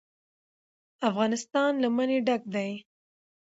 افغانستان له منی ډک دی.